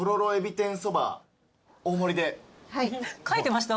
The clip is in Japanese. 書いてました？